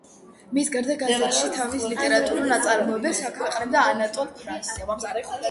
მის გარდა, გაზეთში თავის ლიტერატურულ ნაწარმოებებს აქვეყნებდა ანატოლ ფრანსი.